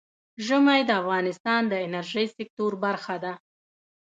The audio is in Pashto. ژمی د افغانستان د انرژۍ سکتور برخه ده.